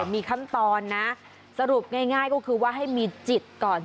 มีขั้นตอนนะสรุปง่ายก็คือว่าให้มีจิตก่อน